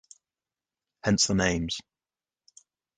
Hence the names.